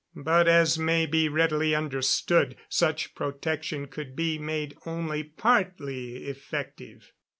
But as may be readily understood, such protection could be made only partly effective.